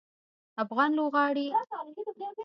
افغان لوبغاړي تل د خپلو سیالیو په اړه ډېر جدي دي.